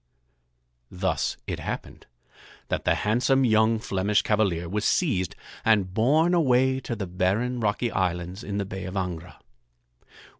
Thus it happened that the handsome young Flemish cavalier was seized and borne away to the barren rocky islands in the Bay of Angra.